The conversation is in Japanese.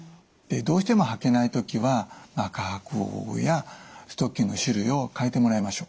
どうしても履けない時は履く方法やストッキングの種類を替えてもらいましょう。